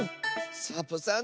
サボさん